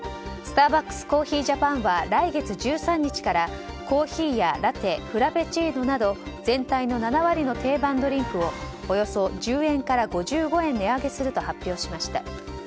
スターバックスコーヒージャパンは来月１３日からコーヒーやラテフラペチーノなど全体の７割の定番ドリンクをおよそ１０円から５５円値上げすると発表しました。